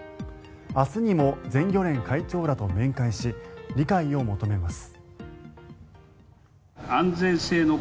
明日にも全漁連会長らと面会し理解を求めます。